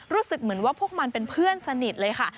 รู้สึกเหมือนว่าพวกมันเป็นเพื่อนสนิทเลยค่ะ